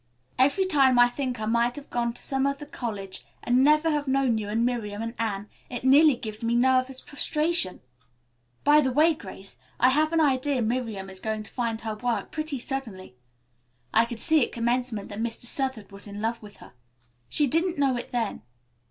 Every time I think that I might have gone to some other college and never have known you and Miriam and Anne, it nearly gives me nervous prostration. By the way, Grace, I have an idea Miriam is going to find her work pretty suddenly. I could see at commencement that Mr. Southard was in love with her. She didn't know it then.